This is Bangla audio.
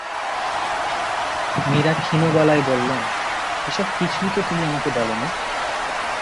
মীরা ক্ষীণ গলায় বললেন, এইসব কিছুই তো তুমি আমাকে বল নি।